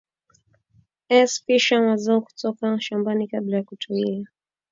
Sfisha mazao kutoka shambani kabla ya kutumia